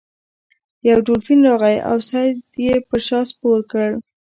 یو دولفین راغی او سید یې په شا سپور کړ.